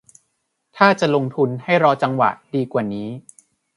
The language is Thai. ถ้าจะลงทุนให้รอจังหวะดีกว่านี้